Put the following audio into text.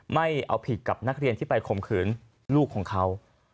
ไม่เอาผิดกับนักเรียนที่ไปข่มขืนลูกของเขา